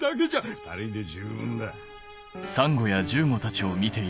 ２人で十分だ。